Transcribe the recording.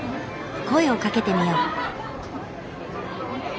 声をかけてみよう。